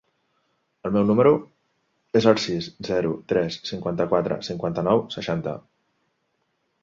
El meu número es el sis, zero, tres, cinquanta-quatre, cinquanta-nou, seixanta.